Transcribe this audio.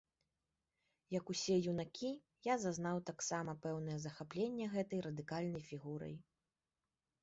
Як усе юнакі, я зазнаў таксама пэўнае захапленне гэтай радыкальнай фігурай.